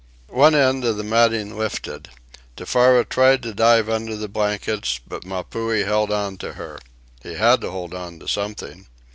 One end of the matting lifted. Tefara tried to dive under the blankets, but Mapuhi held on to her. He had to hold on to something.